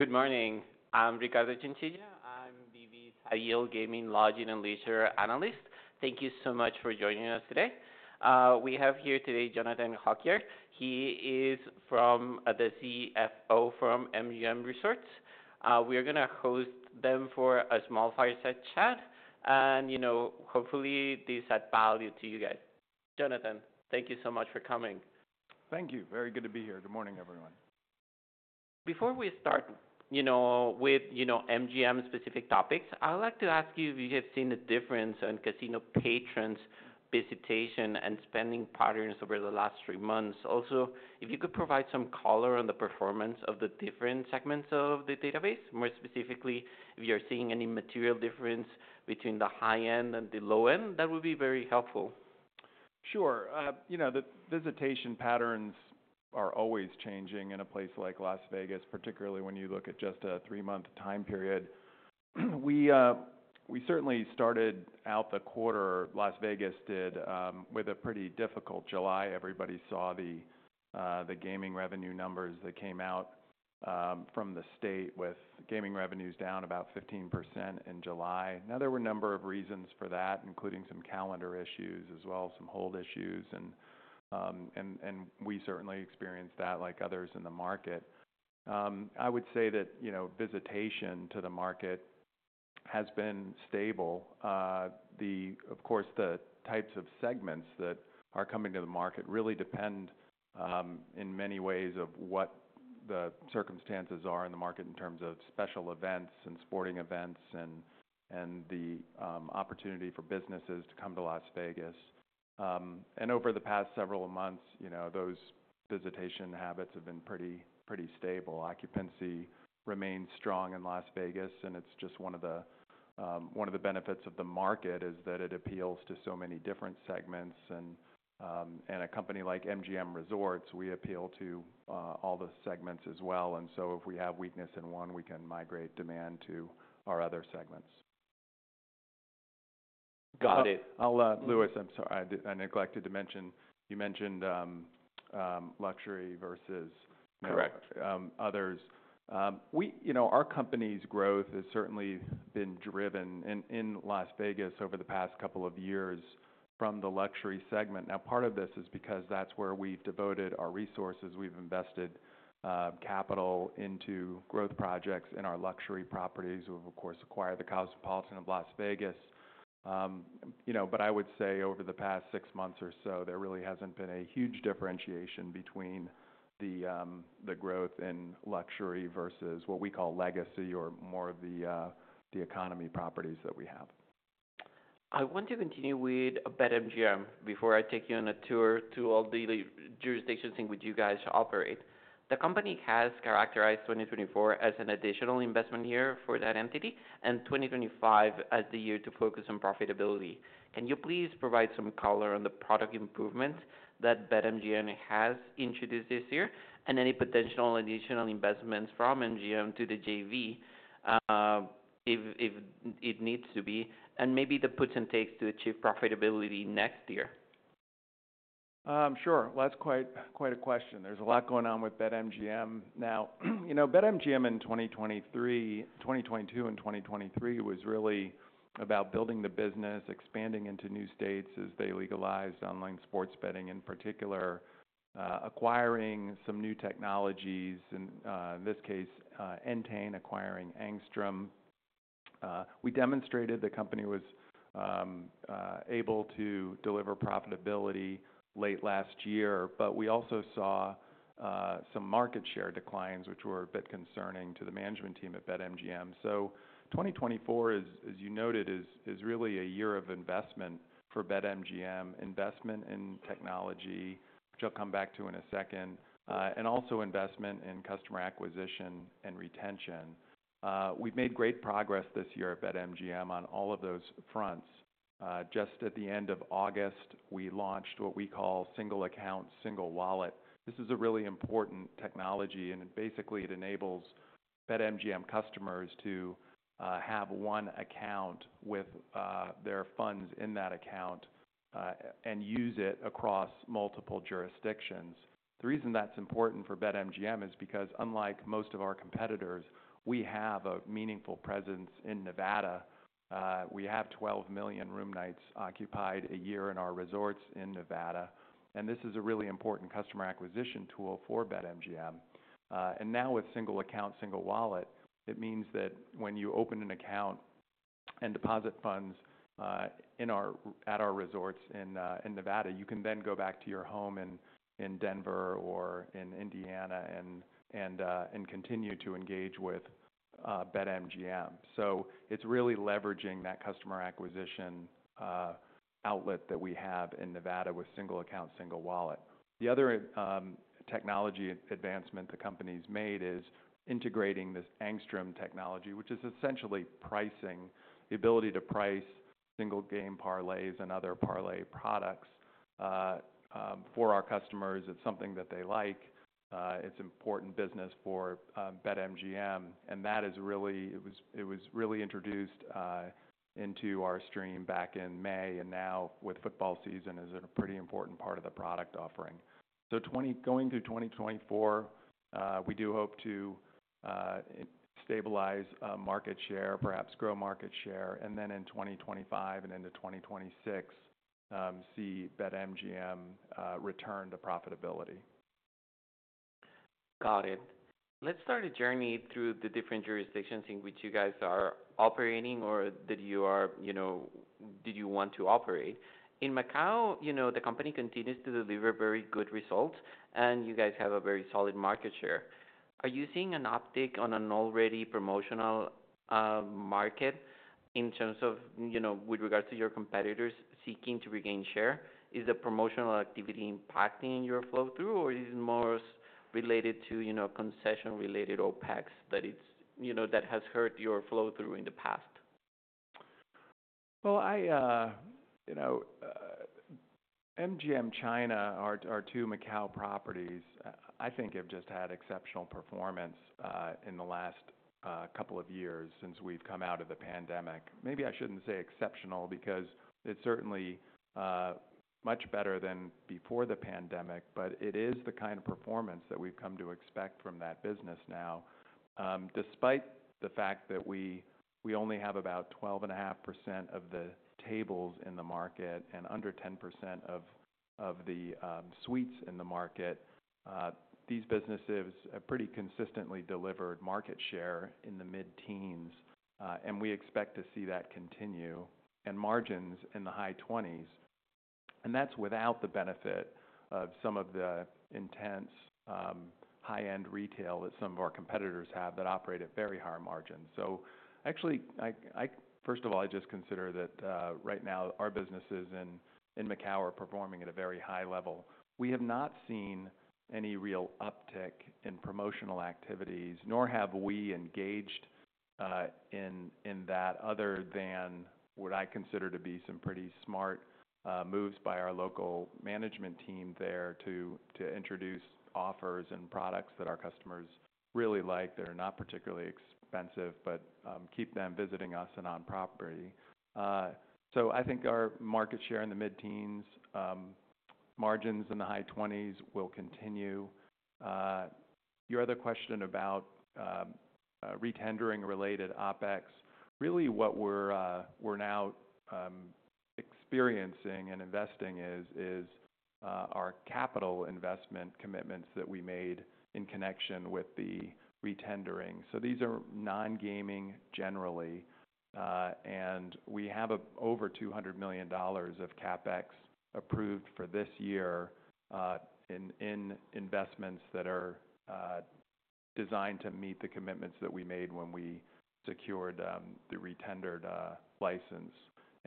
Good morning, I'm Ricardo Chinchilla. I'm Deutsche Bank's Gaming, Lodging, and Leisure analyst. Thank you so much for joining us today. We have here today, Jonathan Halkyard. He is the CFO from MGM Resorts. We are gonna host him for a small fireside chat, and, you know, hopefully, this add value to you guys. Jonathan, thank you so much for coming. Thank you. Very good to be here. Good morning, everyone. Before we start, you know, with, you know, MGM-specific topics, I would like to ask you if you have seen a difference in casino patrons' visitation and spending patterns over the last three months. Also, if you could provide some color on the performance of the different segments of the business, more specifically, if you're seeing any material difference between the high end and the low end, that would be very helpful. Sure. You know, the visitation patterns are always changing in a place like Las Vegas, particularly when you look at just a three-month time period. We certainly started out the quarter, Las Vegas did, with a pretty difficult July. Everybody saw the gaming revenue numbers that came out from the state, with gaming revenues down about 15% in July. Now, there were a number of reasons for that, including some calendar issues, as well as some hold issues, and we certainly experienced that, like others in the market. I would say that, you know, visitation to the market has been stable. Of course, the types of segments that are coming to the market really depend in many ways on what the circumstances are in the market in terms of special events and sporting events and the opportunity for businesses to come to Las Vegas. And over the past several months, you know, those visitation habits have been pretty stable. Occupancy remains strong in Las Vegas, and it's just one of the benefits of the market, that it appeals to so many different segments. And a company like MGM Resorts, we appeal to all the segments as well, and so if we have weakness in one, we can migrate demand to our other segments. Got it. I'll, Lewis, I'm sorry. I neglected to mention. You mentioned luxury versus- Correct... others. You know, our company's growth has certainly been driven in Las Vegas over the past couple of years from the luxury segment. Now, part of this is because that's where we've devoted our resources. We've invested capital into growth projects in our luxury properties. We've, of course, acquired the Cosmopolitan in Las Vegas. You know, but I would say over the past six months or so, there really hasn't been a huge differentiation between the growth in luxury versus what we call legacy or more of the economy properties that we have. I want to continue with BetMGM before I take you on a tour to all the jurisdictions in which you guys operate. The company has characterized 2024 as an additional investment year for that entity, and 2025 as the year to focus on profitability. Can you please provide some color on the product improvement that BetMGM has introduced this year, and any potential additional investments from MGM to the JV, if it needs to be, and maybe the puts and takes to achieve profitability next year? Sure. That's quite a question. There's a lot going on with BetMGM. Now, you know, BetMGM in 2023, 2022 and 2023, was really about building the business, expanding into new states as they legalized online sports betting, in particular, acquiring some new technologies, and, in this case, Entain acquiring Angstrom. We demonstrated the company was able to deliver profitability late last year, but we also saw some market share declines, which were a bit concerning to the management team at BetMGM. So 2024 is, as you noted, really a year of investment for BetMGM. Investment in technology, which I'll come back to in a second, and also investment in customer acquisition and retention. We've made great progress this year at BetMGM on all of those fronts. Just at the end of August, we launched what we call Single Account, Single Wallet. This is a really important technology, and basically, it enables BetMGM customers to have one account with their funds in that account, and use it across multiple jurisdictions. The reason that's important for BetMGM is because, unlike most of our competitors, we have a meaningful presence in Nevada. We have 12 million room nights occupied a year in our resorts in Nevada, and this is a really important customer acquisition tool for BetMGM. And now with Single Account, Single Wallet, it means that when you open an account and deposit funds at our resorts in Nevada, you can then go back to your home in Denver or in Indiana and continue to engage with BetMGM. So it's really leveraging that customer acquisition outlet that we have in Nevada with Single Account, Single Wallet. The other technology advancement the company's made is integrating this Angstrom technology, which is essentially pricing, the ability to price single-game parlays and other parlay products for our customers. It's something that they like. It's important business for BetMGM, and that is really. It was really introduced into our stream back in May, and now with football season, is a pretty important part of the product offering. So twenty. Going through 2024, we do hope to stabilize market share, perhaps grow market share, and then in 2025 and into 2026, see BetMGM return to profitability. ... Got it. Let's start a journey through the different jurisdictions in which you guys are operating or that you are, you know, that you want to operate. In Macau, you know, the company continues to deliver very good results, and you guys have a very solid market share. Are you seeing an uptick on an already promotional market in terms of, you know, with regards to your competitors seeking to regain share? Is the promotional activity impacting your flow-through, or is it more related to, you know, concession-related OpEx that it's, you know, that has hurt your flow-through in the past? Well, you know, MGM China, our two Macau properties, I think have just had exceptional performance in the last couple of years since we've come out of the pandemic. Maybe I shouldn't say exceptional, because it's certainly much better than before the pandemic, but it is the kind of performance that we've come to expect from that business now. Despite the fact that we only have about 12.5% of the tables in the market and under 10% of the suites in the market, these businesses have pretty consistently delivered market share in the mid-teens, and we expect to see that continue, and margins in the high twenties. That's without the benefit of some of the intense high-end retail that some of our competitors have that operate at very high margins. Actually, first of all, I just consider that right now, our businesses in Macau are performing at a very high level. We have not seen any real uptick in promotional activities, nor have we engaged in that, other than what I consider to be some pretty smart moves by our local management team there to introduce offers and products that our customers really like, that are not particularly expensive, but keep them visiting us and on property. I think our market share in the mid-teens, margins in the high twenties will continue. Your other question about retendering related OpEx. Really what we're experiencing and investing is our capital investment commitments that we made in connection with the retendering. So these are nongaming generally. And we have over $200 million of CapEx approved for this year in investments that are designed to meet the commitments that we made when we secured the retendered license.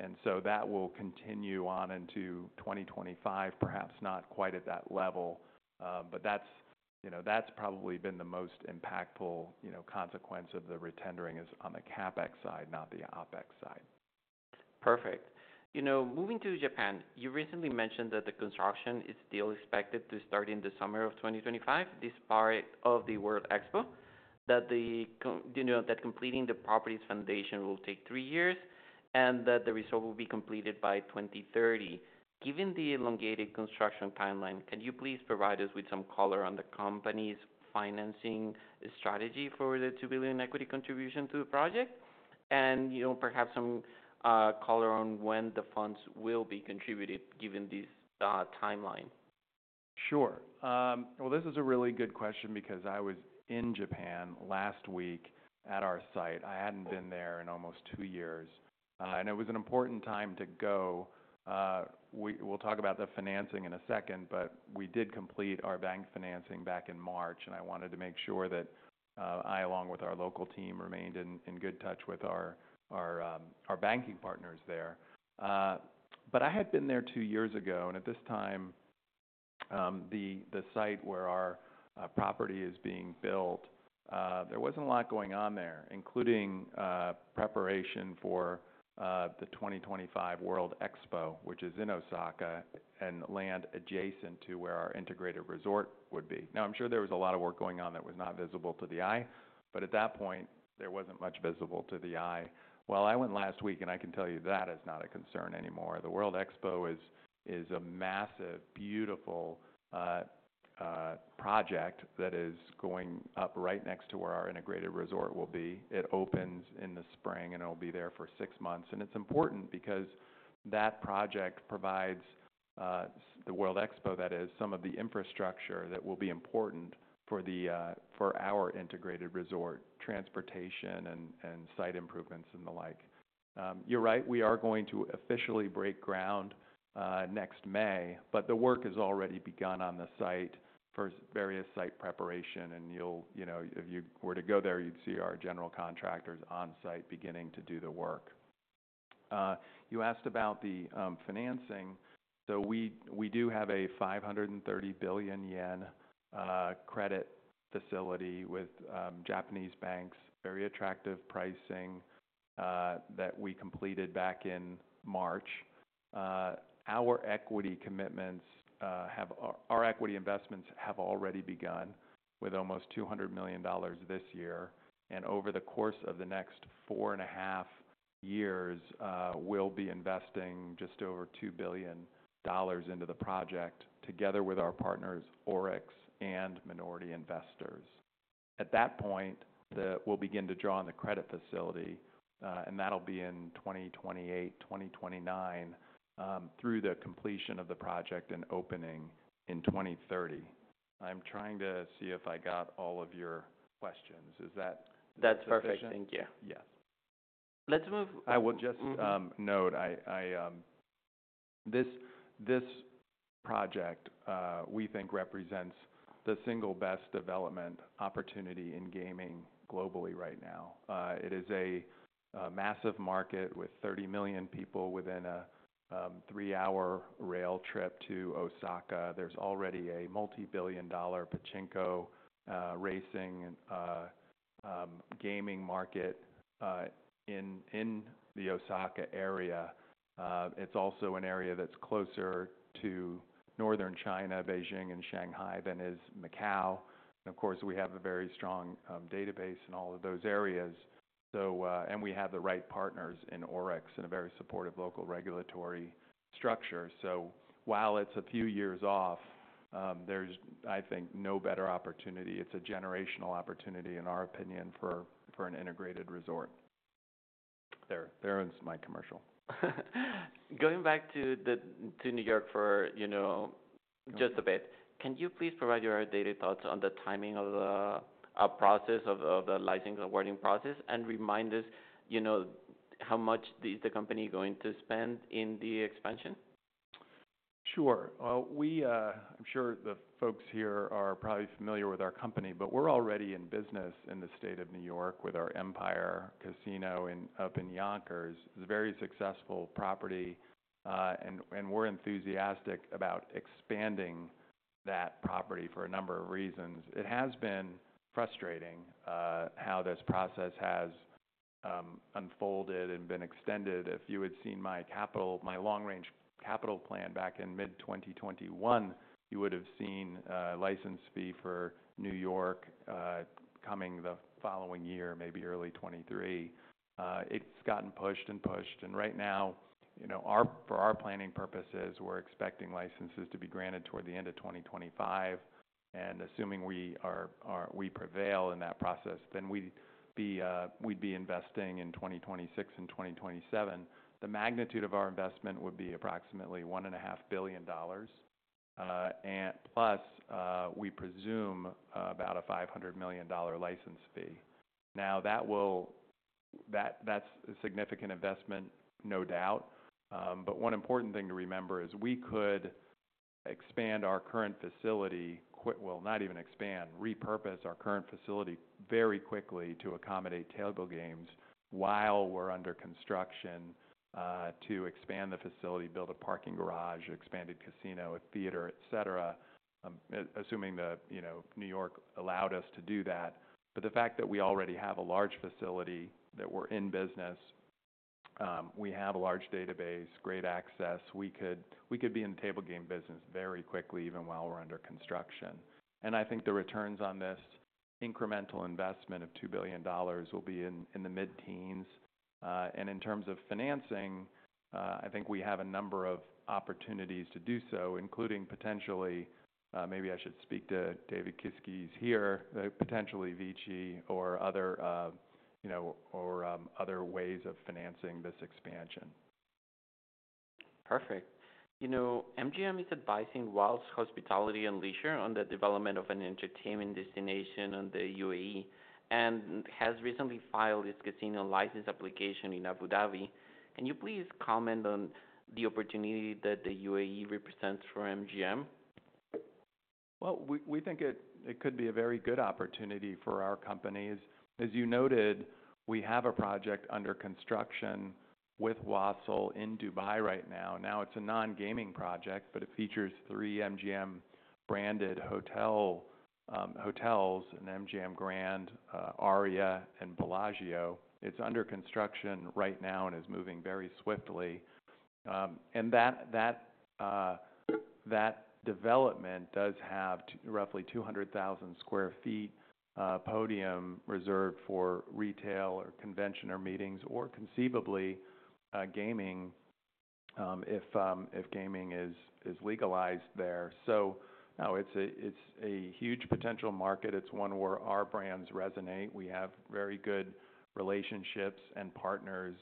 And so that will continue on into 2025, perhaps not quite at that level, but that's, you know, that's probably been the most impactful, you know, consequence of the retendering is on the CapEx side, not the OpEx side. Perfect. You know, moving to Japan, you recently mentioned that the construction is still expected to start in the summer of 2025, this part of the World Expo, that completing the property's foundation will take three years, and that the resort will be completed by 2030. Given the elongated construction timeline, can you please provide us with some color on the company's financing strategy for the $2 billion equity contribution to the project? And, you know, perhaps some color on when the funds will be contributed, given this timeline. Sure. Well, this is a really good question because I was in Japan last week at our site. I hadn't been there in almost two years, and it was an important time to go. We'll talk about the financing in a second, but we did complete our bank financing back in March, and I wanted to make sure that I, along with our local team, remained in good touch with our banking partners there. But I had been there two years ago, and at this time, the site where our property is being built, there wasn't a lot going on there, including preparation for the 2025 World Expo, which is in Osaka, and land adjacent to where our integrated resort would be. Now, I'm sure there was a lot of work going on that was not visible to the eye, but at that point, there wasn't much visible to the eye. Well, I went last week, and I can tell you that is not a concern anymore. The World Expo is a massive, beautiful project that is going up right next to where our integrated resort will be. It opens in the spring, and it'll be there for six months. And it's important because that project provides the World Expo, that is, some of the infrastructure that will be important for our integrated resort, transportation and site improvements and the like. You're right, we are going to officially break ground next May, but the work has already begun on the site for various site preparation. You'll, you know, if you were to go there, you'd see our general contractors on-site, beginning to do the work. You asked about the financing. We do have a 530 billion yen credit facility with Japanese banks. Very attractive pricing that we completed back in March. Our equity commitments have. Our equity investments have already begun with almost $200 million this year. Over the course of the next four and a half years, we'll be investing just over $2 billion into the project, together with our partners, ORIX and minority investors. At that point, we'll begin to draw on the credit facility, and that'll be in 2028, 2029, through the completion of the project and opening in 2030. I'm trying to see if I got all of your questions. Is that sufficient? That's perfect. Thank you. Yes. Let's move- I will just- Mm-hmm... Note, I think this project we think represents the single best development opportunity in gaming globally right now. It is a massive market with 30 million people within a three-hour rail trip to Osaka. There's already a multi-billion-dollar pachinko racing and gaming market in the Osaka area. It's also an area that's closer to Northern China, Beijing, and Shanghai than is Macau. And of course, we have a very strong business in all of those areas. So, and we have the right partners in ORIX and a very supportive local regulatory structure. So while it's a few years off, there's, I think, no better opportunity. It's a generational opportunity, in our opinion, for an integrated resort. There ends my commercial. Going back to New York for, you know, just a bit. Can you please provide your updated thoughts on the timing of the process of the licensing awarding process, and remind us, you know, how much is the company going to spend in the expansion? Sure. I'm sure the folks here are probably familiar with our company, but we're already in business in the State of New York with our Empire City Casino up in Yonkers. It's a very successful property, and we're enthusiastic about expanding that property for a number of reasons. It has been frustrating how this process has unfolded and been extended. If you had seen my long-range capital plan back in mid-2021, you would have seen a license fee for New York coming the following year, maybe early 2023. It's gotten pushed and pushed, and right now, you know, for our planning purposes, we're expecting licenses to be granted toward the end of 2025. Assuming we prevail in that process, then we'd be investing in 2026 and 2027. The magnitude of our investment would be approximately $1.5 billion, and plus, we presume, about a $500 million license fee. Now, that, that's a significant investment, no doubt. But one important thing to remember is we could expand our current facility well, not even expand, repurpose our current facility very quickly to accommodate table games while we're under construction, to expand the facility, build a parking garage, expanded casino, a theater, et cetera. Assuming that, you know, New York allowed us to do that. But the fact that we already have a large facility, that we're in business, we have a large business, great access, we could, we could be in the table game business very quickly, even while we're under construction. And I think the returns on this incremental investment of $2 billion will be in the mid-teens. And in terms of financing, I think we have a number of opportunities to do so, including potentially, maybe I should speak to David Kieske, he's here, potentially VICI or other, you know, or other ways of financing this expansion. Perfect. You know, MGM is advising Wasl Hospitality and Leisure on the development of an entertainment destination in the UAE, and has recently filed its casino license application in Abu Dhabi. Can you please comment on the opportunity that the UAE represents for MGM? We think it could be a very good opportunity for our company. As you noted, we have a project under construction with Wasl in Dubai right now. Now, it's a non-gaming project, but it features three MGM-branded hotels, an MGM Grand, Aria and Bellagio. It's under construction right now and is moving very swiftly. And that development does have roughly 200,000 sq ft podium reserved for retail or convention or meetings, or conceivably gaming, if gaming is legalized there. So it's a huge potential market. It's one where our brands resonate. We have very good relationships and partners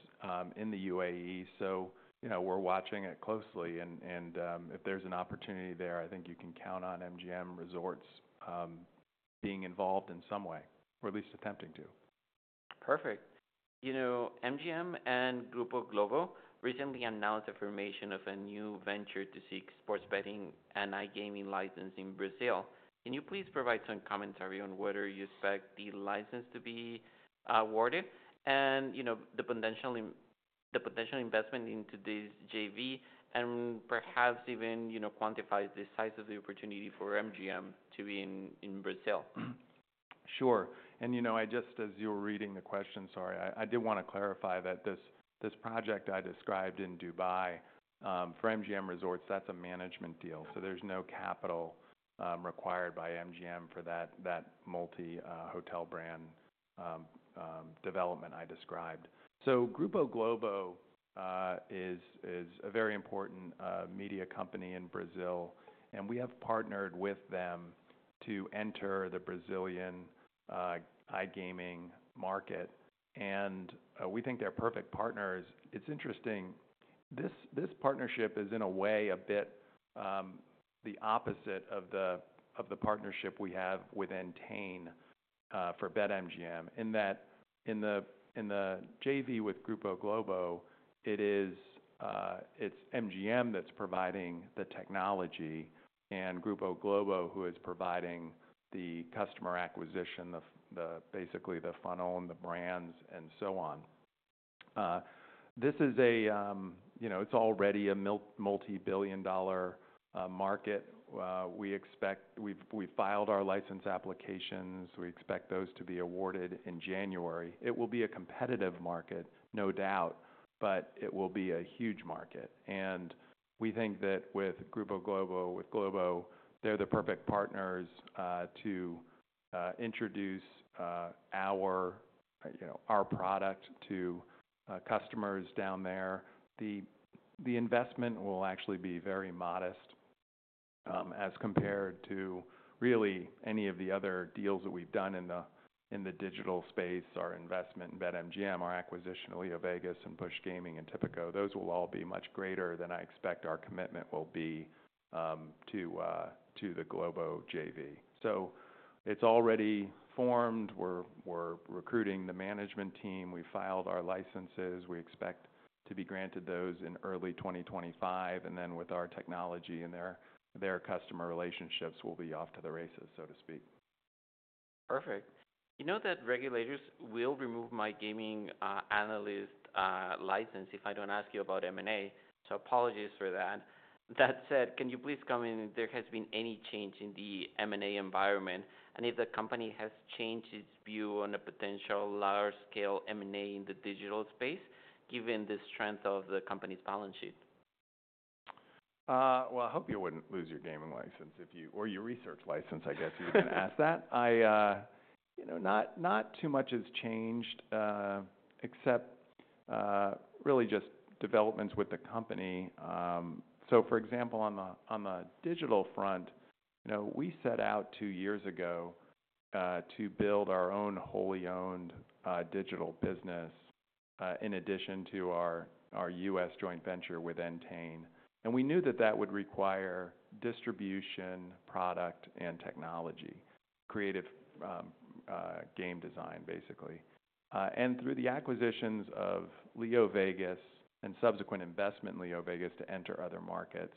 in the UAE. So, you know, we're watching it closely, and if there's an opportunity there, I think you can count on MGM Resorts being involved in some way, or at least attempting to. Perfect. You know, MGM and Grupo Globo recently announced the formation of a new venture to seek sports betting and iGaming license in Brazil. Can you please provide some commentary on whether you expect the license to be awarded? And, you know, the potential investment into this JV and perhaps even, you know, quantify the size of the opportunity for MGM to be in Brazil. Sure. And, you know, I just, as you were reading the question, sorry, I did want to clarify that this project I described in Dubai for MGM Resorts, that's a management deal. So there's no capital required by MGM for that multi hotel brand development I described. So Grupo Globo is a very important media company in Brazil, and we have partnered with them to enter the Brazilian iGaming market, and we think they're perfect partners. It's interesting, this partnership is in a way a bit the opposite of the partnership we have with Entain for BetMGM. In that, in the JV with Grupo Globo, it is, it's MGM that's providing the technology, and Grupo Globo, who is providing the customer acquisition, basically, the funnel and the brands, and so on. This is a, you know, it's already a multibillion-dollar market. We've filed our license applications. We expect those to be awarded in January. It will be a competitive market, no doubt, but it will be a huge market. And we think that with Grupo Globo, with Globo, they're the perfect partners to introduce our, you know, our product to customers down there. The investment will actually be very modest, as compared to really any of the other deals that we've done in the digital space. Our investment in BetMGM, our acquisition of LeoVegas, and Push Gaming, and Tipico, those will all be much greater than I expect our commitment will be to the Globo JV. So it's already formed. We're recruiting the management team. We've filed our licenses. We expect to be granted those in early 2025, and then with our technology and their customer relationships, we'll be off to the races, so to speak. Perfect. You know that regulators will remove my gaming analyst license if I don't ask you about M&A, so apologies for that. That said, can you please comment if there has been any change in the M&A environment, and if the company has changed its view on a potential larger scale M&A in the digital space, given the strength of the company's balance sheet? Well, I hope you wouldn't lose your gaming license if you, or your research license, I guess, you were going to ask that. I, you know, not too much has changed, except really just developments with the company, so for example, on the digital front, you know, we set out two years ago to build our own wholly owned digital business in addition to our U.S. joint venture with Entain. And we knew that that would require distribution, product, and technology, creative game design, basically, and through the acquisitions of LeoVegas and subsequent investment in LeoVegas to enter other markets,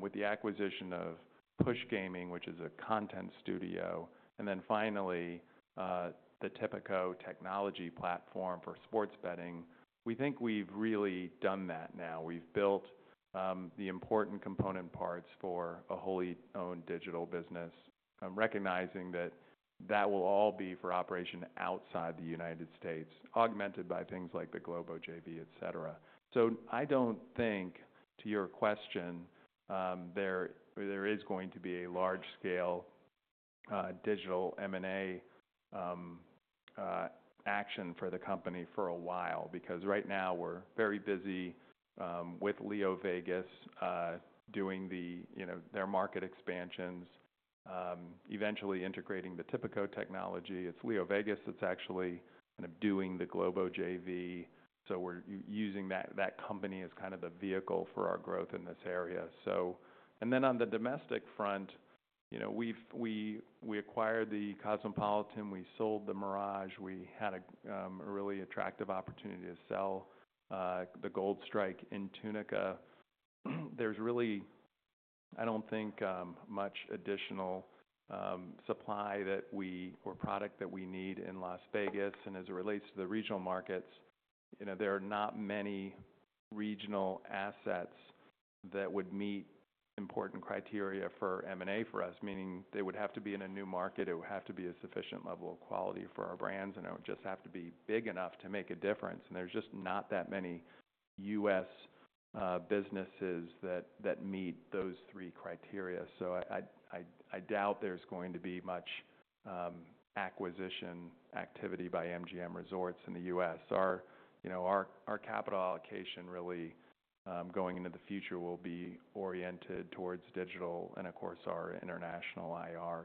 with the acquisition of Push Gaming, which is a content studio, and then finally, the Tipico technology platform for sports betting, we think we've really done that now. We've built the important component parts for a wholly owned digital business. I'm recognizing that will all be for operation outside the United States, augmented by things like the Globo JV, et cetera. So I don't think, to your question, there is going to be a large scale digital M&A action for the company for a while. Because right now, we're very busy with LeoVegas doing the, you know, their market expansions, eventually integrating the Tipico technology. It's LeoVegas that's actually kind of doing the Globo JV, so we're using that company as kind of the vehicle for our growth in this area. So, and then on the domestic front, you know, we've acquired the Cosmopolitan, we sold The Mirage. We had a really attractive opportunity to sell the Gold Strike in Tunica. There's really, I don't think, much additional supply that we... Or product that we need in Las Vegas. And as it relates to the regional markets, you know, there are not many regional assets that would meet important criteria for M&A for us, meaning they would have to be in a new market. It would have to be a sufficient level of quality for our brands, and it would just have to be big enough to make a difference. And there's just not that many U.S. businesses that meet those three criteria. So I doubt there's going to be much acquisition activity by MGM Resorts in the U.S. Our, you know, capital allocation really going into the future, will be oriented towards digital and, of course, our international IRs.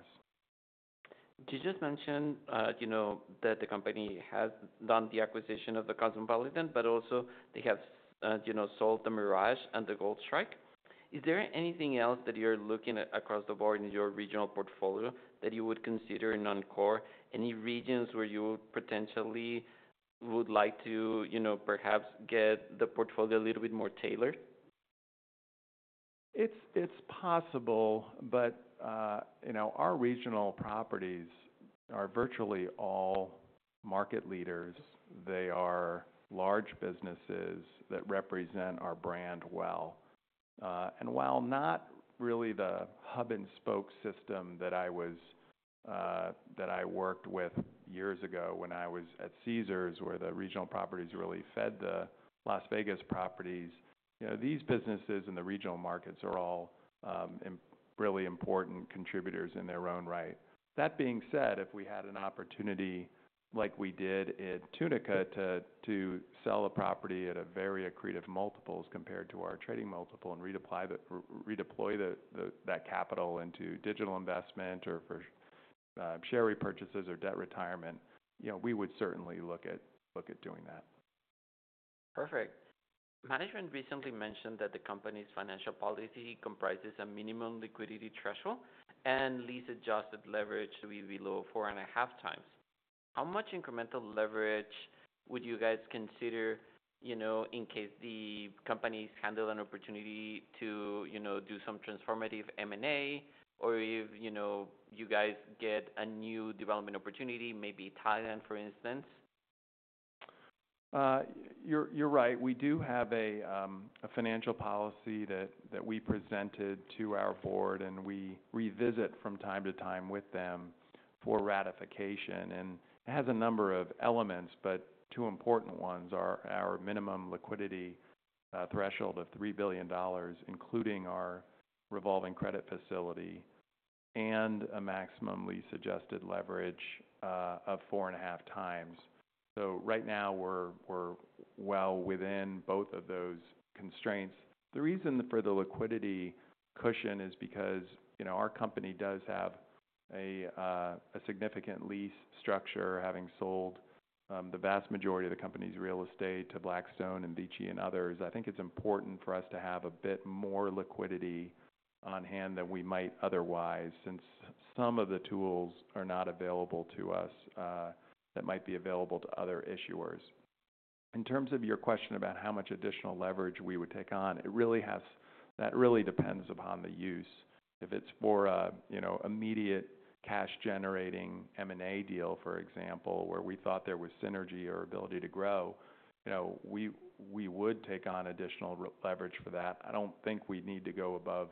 You just mentioned, you know, that the company has done the acquisition of the Cosmopolitan, but also they have, you know, sold The Mirage and the Gold Strike. Is there anything else that you're looking at across the board in your regional portfolio that you would consider non-core? Any regions where you potentially would like to, you know, perhaps get the portfolio a little bit more tailored? It's possible, but you know, our regional properties are virtually all market leaders. They are large businesses that represent our brand well, and while not really the hub and spoke system that I worked with years ago when I was at Caesars, where the regional properties really fed the Las Vegas properties, you know, these businesses in the regional markets are all really important contributors in their own right. That being said, if we had an opportunity like we did in Tunica, to sell a property at a very accretive multiples compared to our trading multiple, and redeploy that capital into digital investment or share repurchases or debt retirement, you know, we would certainly look at doing that. Perfect. Management recently mentioned that the company's financial policy comprises a minimum liquidity threshold and lease-adjusted leverage to be below four and a half times. How much incremental leverage would you guys consider, you know, in case the companies handle an opportunity to, you know, do some transformative M&A? Or if, you know, you guys get a new development opportunity, maybe Thailand, for instance. You're right. We do have a financial policy that we presented to our board and we revisit from time to time with them for ratification, and it has a number of elements, but two important ones are our minimum liquidity threshold of $3 billion, including our revolving credit facility and a maximum lease-adjusted leverage of 4.5 x, so right now, we're well within both of those constraints. The reason for the liquidity cushion is because, you know, our company does have a significant lease structure, having sold the vast majority of the company's real estate to Blackstone and VICI and others. I think it's important for us to have a bit more liquidity on hand than we might otherwise, since some of the tools are not available to us that might be available to other issuers. In terms of your question about how much additional leverage we would take on, that really depends upon the use. If it's for a, you know, immediate cash-generating M&A deal, for example, where we thought there was synergy or ability to grow, you know, we would take on additional leverage for that. I don't think we'd need to go above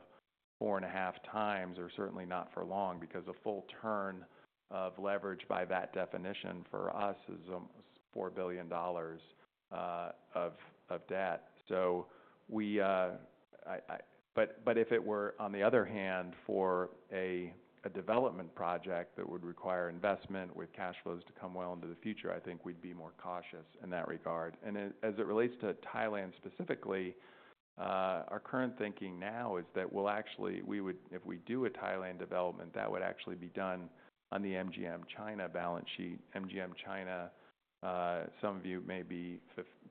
four and a half x, or certainly not for long, because a full turn of leverage by that definition for us is $4 billion of debt. So we... But if it were, on the other hand, for a development project that would require investment with cash flows to come well into the future, I think we'd be more cautious in that regard. And as it relates to Thailand specifically, our current thinking now is that we'll actually we would if we do a Thailand development, that would actually be done on the MGM China balance sheet. MGM China, some of you may be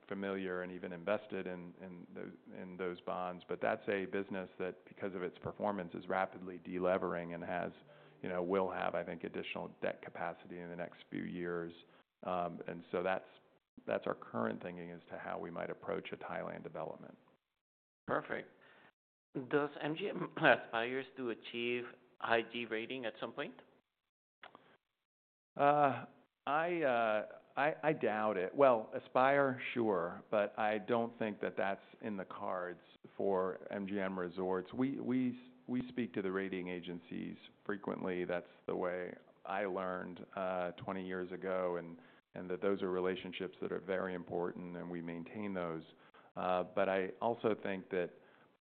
familiar and even invested in those bonds, but that's a business that, because of its performance, is rapidly delevering and has, you know, will have, I think, additional debt capacity in the next few years. And so that's our current thinking as to how we might approach a Thailand development. Perfect. Does MGM aspire to achieve IG rating at some point? I doubt it. Aspire, sure, but I don't think that that's in the cards for MGM Resorts. We speak to the rating agencies frequently. That's the way I learned twenty years ago, and those are relationships that are very important and we maintain those. I also think that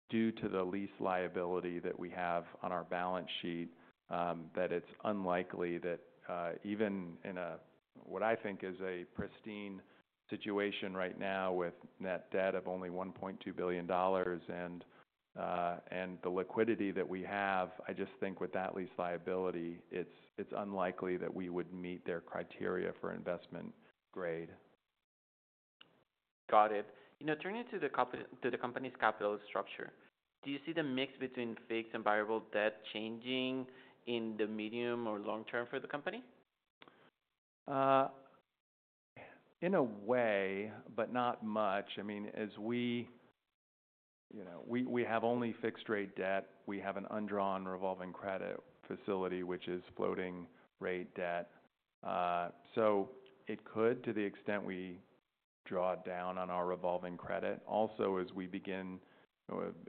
due to the lease liability that we have on our balance sheet, that it's unlikely that even in what I think is a pristine situation right now, with net debt of only $1.2 billion and the liquidity that we have, I just think with that lease liability, it's unlikely that we would meet their criteria for Investment Grade. Got it. You know, turning to the company's capital structure, do you see the mix between fixed and variable debt changing in the medium or long term for the company? In a way, but not much. I mean, as we, you know, we have only fixed rate debt. We have an undrawn revolving credit facility, which is floating rate debt. So it could, to the extent we draw down on our revolving credit. Also, as we begin,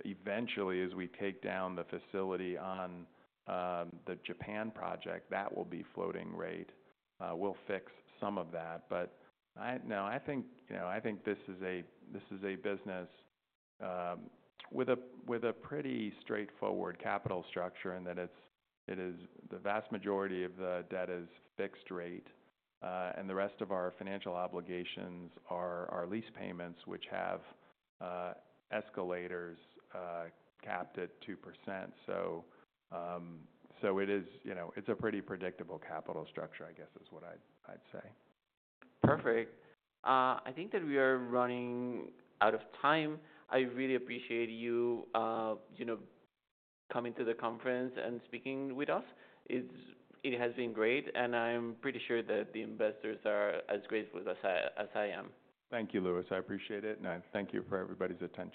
eventually, as we take down the facility on the Japan project, that will be floating rate. We'll fix some of that. But no, I think, you know, I think this is a business with a pretty straightforward capital structure, and that it is the vast majority of the debt is fixed rate, and the rest of our financial obligations are our lease payments, which have escalators capped at 2%. It is, you know, a pretty predictable capital structure, I guess, is what I'd say. Perfect. I think that we are running out of time. I really appreciate you, you know, coming to the conference and speaking with us. It has been great, and I'm pretty sure that the investors are as grateful as I, as I am. Thank you, Lewis. I appreciate it, and I thank you for everybody's attention.